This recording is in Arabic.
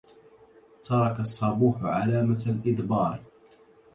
ترك الصبوح علامة الإدبار